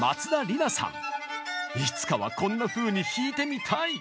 いつかはこんなふうに弾いてみたい！